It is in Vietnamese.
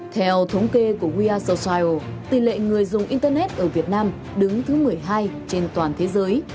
theo thống kê của we are social tỷ lệ người dùng internet ở việt nam đứng thứ một mươi hai trên toàn thế giới